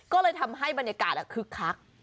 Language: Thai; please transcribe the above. ก็เลยทำให้บรรยากาศคึกคัก